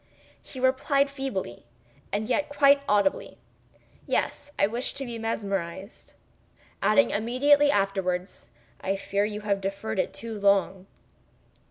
He replied feebly, yet quite audibly, "Yes, I wish to be. I fear you have mesmerized"—adding immediately afterwards: "I fear you have deferred it too long."